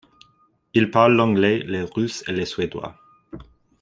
Il parle l'anglais, le russe et le suédois.